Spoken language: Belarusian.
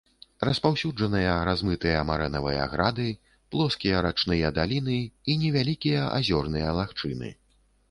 Распаўсюджаныя размытыя марэнавыя грады, плоскія рачныя даліны і невялікія азёрныя лагчыны.